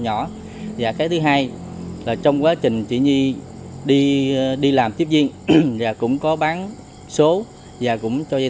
nhỏ và cái thứ hai là trong quá trình chị nhi đi làm tiếp viên và cũng có bán số và cũng cho